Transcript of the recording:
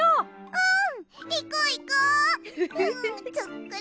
うん。